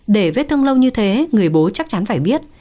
để vết thương lâu như thế người bố chắc chắn phải biết